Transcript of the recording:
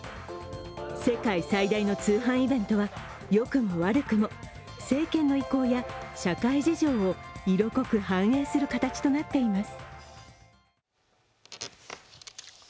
世界最大の通販イベントはよくも悪くも政権の意向や、社会事情を色濃く反映する形となっています。